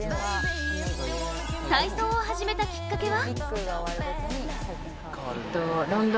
体操を始めたきっかけは？